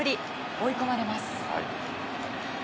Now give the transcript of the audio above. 追い込まれます。